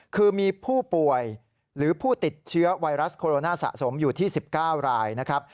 คือมีผู้ป่วยหรือผู้ติดเชื้อไวรัสโคโรนาสะสมอยู่ที่๑๙รายนะครับ